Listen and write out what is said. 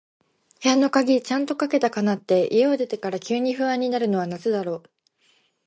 部屋の鍵、ちゃんとかけたかなって、家を出てから急に不安になるのはなぜだろう。